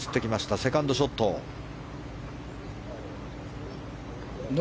セカンドショットです。